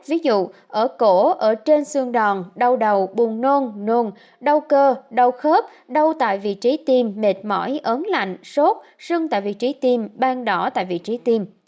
ví dụ ở cổ ở trên xương đòn đau đầu buồn nôn nôn đau cơ đau khớp đau tại vị trí tiêm mệt mỏi ớn lạnh sốt sưng tại vị trí tiêm ban đỏ tại vị trí tiêm